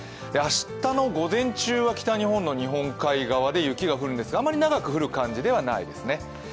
明日の午前中は北日本の日本海側で雪が降るんですが、あまり長く降る感じではないですね。